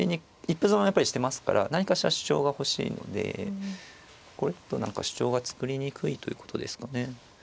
一歩損はやっぱりしてますから何かしら主張が欲しいのでこれだと何か主張が作りにくいということですかね。